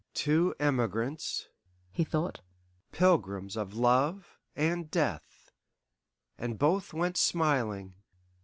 "Two emigrants," he thought, "pilgrims of Love and Death, and both went smiling!"